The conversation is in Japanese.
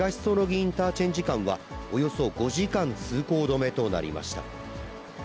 インターチェンジ間は、およそ５時間通行止めとなりました。